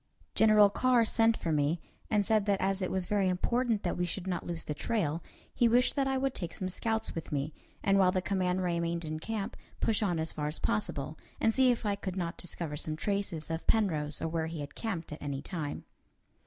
General Carr sent for me, and said that as it was very important that we should not lose the trail, he wished that I would take some scouts with me, and while the command remained in camp, push on as far as possible, and see if I could not discover some traces of Penrose or where he had camped at any time.